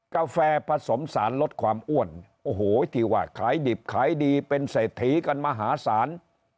กาแฟผสมสารลดความอ้วนโอ้โหที่ว่าขายดิบขายดีเป็นเศรษฐีกันมหาศาล